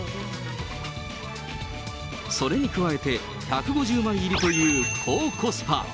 それに加えて、１５０枚入りという高コスパ。